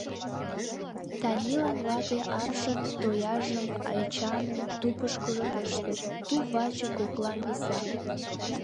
Танилан вате аршын тояжым Эчанын тупышкыжо пыштыш, туп-ваче коклам виса.